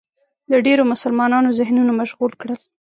د ډېرو مسلمانانو ذهنونه مشغول کړل